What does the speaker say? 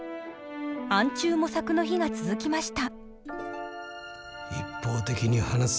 暗中模索の日が続きました。